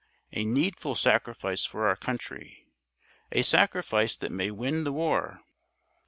A needful sacrifice for our country. A sacrifice that may win the war."